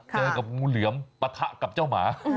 เจอกับงูเหลือมปะทะกับเจ้าหมา